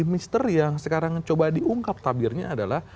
bukan itu poinnya poinnya adalah